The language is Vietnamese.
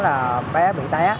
và bé bị té